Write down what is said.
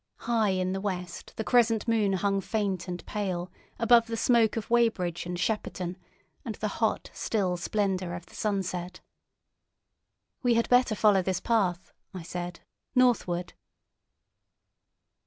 High in the west the crescent moon hung faint and pale above the smoke of Weybridge and Shepperton and the hot, still splendour of the sunset. "We had better follow this path," I said, "northward."